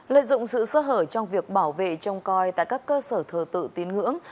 lợi dụng sự sơ hở trong việc bảo vệ trong coi tại các cơ sở thờ tự tiến ngưỡng